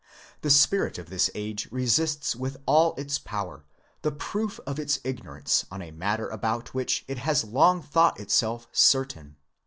The spirit of this age resists with all its power the proof of its ignorance on a matter about which it has long thought itself certain.